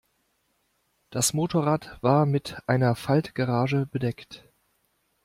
Das Motorrad war mit einer Faltgarage bedeckt.